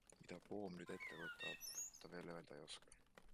Mida Poom nüüd ette võtab, ta veel öelda ei oska.